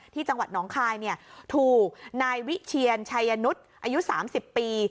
ที่จังหวัดน้องคลายเนี่ยถูกนายวิเชียรชายนุษย์อายุสามสิบปี